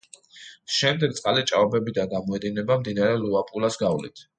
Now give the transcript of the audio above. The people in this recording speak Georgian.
შემდეგ წყალი ჭაობებიდან გამოედინება მდინარე ლუაპულას გავლით.